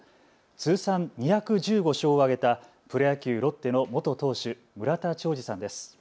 通算２１５勝を挙げたプロ野球ロッテの元投手村田兆治さんです。